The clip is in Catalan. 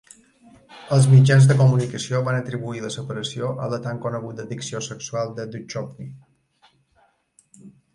Els mitjans de comunicació van atribuir la separació a la tan coneguda addicció sexual de Duchovny.